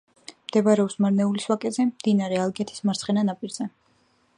მდებარეობს მარნეულის ვაკეზე, მდინარე ალგეთის მარცხენა ნაპირზე.